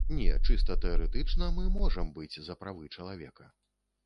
Не, чыста тэарэтычна мы можам быць за правы чалавека.